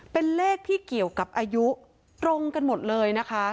เป็นเลขที่เกี่ยวกับอายุตรงกันหมดเลยนะคะ